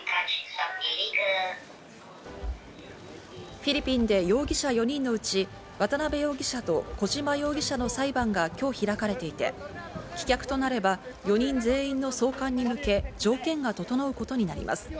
フィリピンで容疑者４人のうち、渡辺容疑者と小島容疑者の裁判が今日開かれていて棄却となれば４人全員の送還に向け条件が整うことになります。